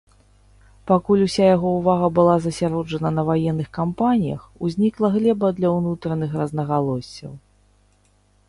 Пакуль уся яго ўвага была засяроджана на ваенных кампаніях, узнікла глеба для ўнутраных рознагалоссяў.